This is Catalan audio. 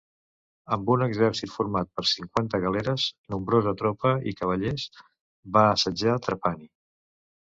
Amb un exèrcit format per cinquanta galeres, nombrosa tropa i cavallers, va assetjar Trapani.